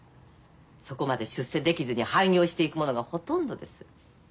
そこまで出世できずに廃業していく者がほとんどです。